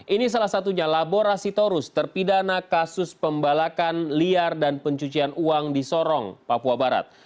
ini salah satunya labora sitorus terpidana kasus pembalakan liar dan pencucian uang di sorong papua barat